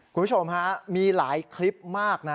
คุณผู้ชมฮะมีหลายคลิปมากนะ